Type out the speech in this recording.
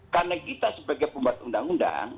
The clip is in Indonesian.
karena kita sebagai pembuat undang undang